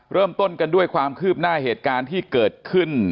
เริ่มต้นกันด้วยความคืบหน้าเหตุการณ์ที่เกิดขึ้น